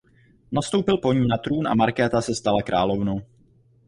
Nastoupil po ní na trůn a Markéta se stala královnou.